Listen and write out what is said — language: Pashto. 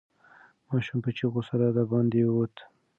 ماشوم په چیغو سره د باندې ووت.